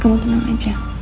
kamu tenang aja